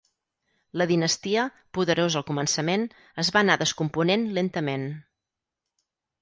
La dinastia, poderosa al començament, es va anar descomponent lentament.